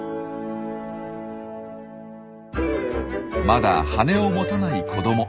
まだ羽を持たない子ども。